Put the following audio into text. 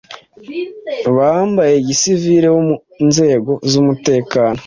bambaye gisivile bo mu nzego z'umutekano,